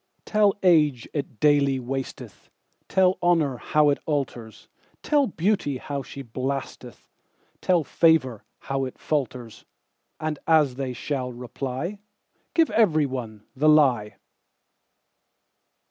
Tell age it daily wasteth; Tell honour how it alters; Tell beauty how she blasteth; Tell favour how it falters:And as they shall reply, Give every one the lie.